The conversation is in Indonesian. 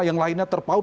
yang lainnya terpaut